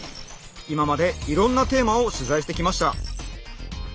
今までいろんなテーマを取材してきました。